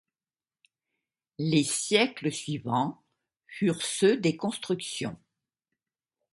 Les siècles suivant furent ceux des constructions.